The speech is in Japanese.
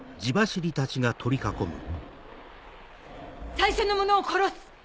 最初の者を殺す！